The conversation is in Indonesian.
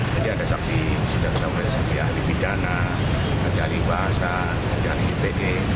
jadi ada saksi sudah sudah bersusia ahli pidana ahli bahasa ahli ite